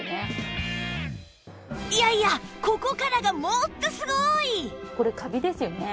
いやいやここからがもっとすごい！